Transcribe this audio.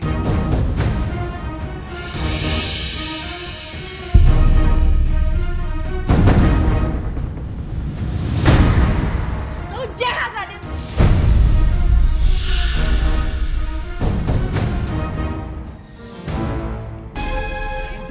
kamu jelek adik